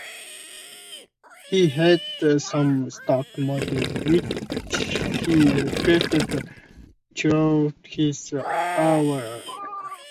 He had some stock models which he repeated throughout his oeuvre.